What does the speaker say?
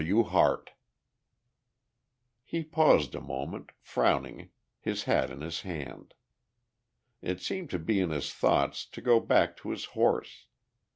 W. HARTE." He paused a moment, frowning, his hat in his hand. It seemed to be in his thought to go back to his horse.